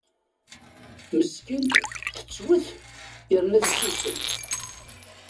Meskint tettwet yerna tessusem.